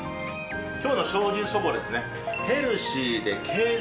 今日の精進そぼろですね。